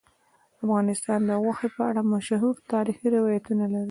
افغانستان د غوښې په اړه مشهور تاریخی روایتونه لري.